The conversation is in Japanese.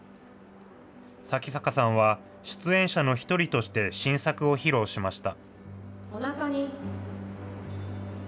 向坂さんは、出演者の１人として、新作を披露しました。